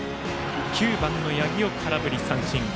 ９番の八木を空振り三振。